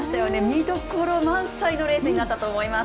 見どころ満載のレースになったと思います。